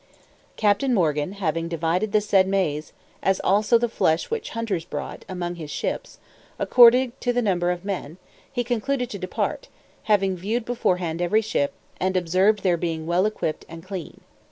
Captain Morgan having divided the said maize, as also the flesh which the hunters brought, among his ships, according to the number of men, he concluded to depart; having viewed beforehand every ship, and observed their being well equipped and clean.